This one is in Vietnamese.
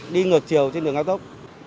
đi ngược chiều trên đường cao tốc